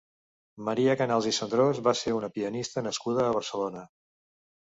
Maria Canals i Cendrós va ser una pianista nascuda a Barcelona.